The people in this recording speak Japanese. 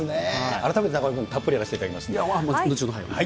改めて中丸君、たっぷりやらせて後ほど、お願いします。